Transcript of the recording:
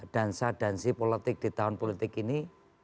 dansa dan si politik di tahun politik ini